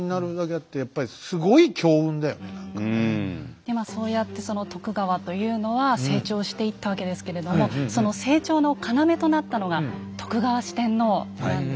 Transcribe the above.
でまあそうやってその徳川というのは成長していったわけですけれどもその成長の要となったのが徳川四天王なんですね。